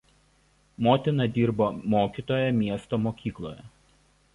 Motina dirbo mokytoja miesto mokykloje.